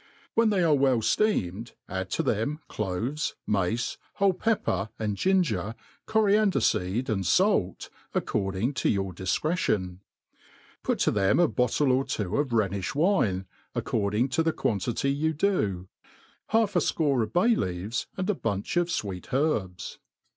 When they are well fieamedf add to them cloves, mace, whole pepper, and ginger, coriander*feed and fait, according to your di fere tion; put t» them a bottle or two of Rhenifli wine, according to the quan*. tity you do, half a fco^ bay leaves, and a bunch of fweet hei; bs.